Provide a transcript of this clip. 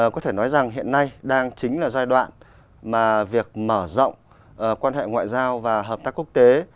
có thể nói rằng hiện nay đang chính là giai đoạn mà việc mở rộng quan hệ ngoại giao và hợp tác quốc tế